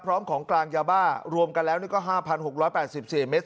พร้อมของกลางยาบ้ารวมกันแล้วก็๕๖๘๔เมตร